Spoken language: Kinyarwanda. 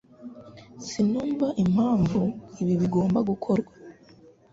Sinumva impamvu ibi bigomba gukorwa.